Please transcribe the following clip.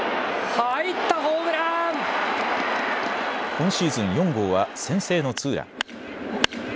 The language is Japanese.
今シーズン４号は先制のツーラン。